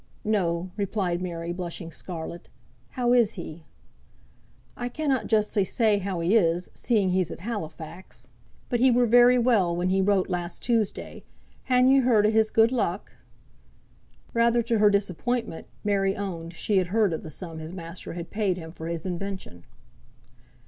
"No," replied Mary, blushing scarlet. "How is he?" "I cannot justly say how he is, seeing he's at Halifax; but he were very well when he wrote last Tuesday. Han ye heard o' his good luck?" Rather to her disappointment, Mary owned she had heard of the sum his master had paid him for his invention.